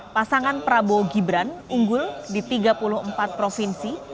pasangan prabowo gibran unggul di tiga puluh empat provinsi